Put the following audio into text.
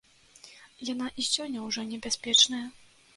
Яна і сёння ўжо небяспечная.